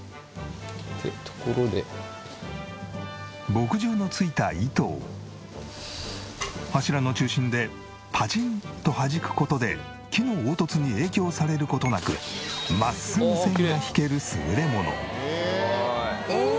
墨汁のついた糸を柱の中心でパチンとはじく事で木の凹凸に影響される事なく真っすぐ線が引ける優れもの。